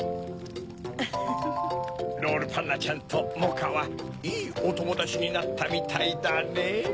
ロールパンナちゃんとモカはいいおともだちになったみたいだねぇ。